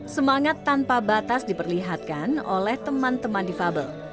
semangat tanpa batas diperlihatkan oleh teman teman difabel